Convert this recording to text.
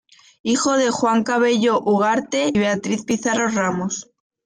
Hijo de Juan Cabello Ugarte y Berta Pizarro Ramos.